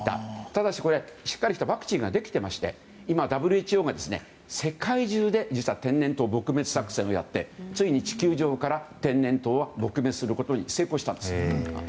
ただし、しっかりしたワクチンができていまして今、ＷＨＯが世界中で実は天然痘撲滅作戦をやってついに地球上から天然痘は撲滅することに成功したんです。